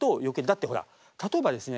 だってほら例えばですね